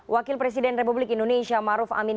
wakil presiden republik indonesia maruf amin